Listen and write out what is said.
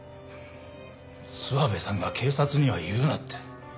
諏訪部さんが警察には言うなって。